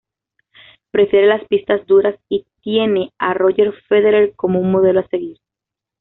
Prefiere las pistas duras y tiene a Roger Federer como un modelo a seguir.